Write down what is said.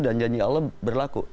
dan janji allah berlaku